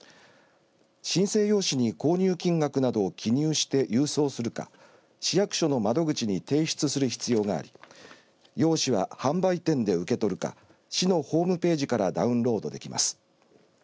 申請用紙に購入金額などを記入して郵送するか市役所の窓口に提出する必要があり用紙は販売店で受け取るか市のホームページからダウンロードできます。